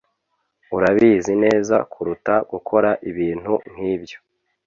urabizi neza kuruta gukora ibintu nkibyo